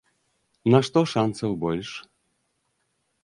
На што шанцаў больш?